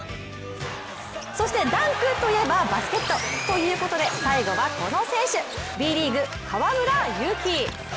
そしてダンクといえばバスケットということで最後はこの選手、Ｂリーグ、河村勇輝。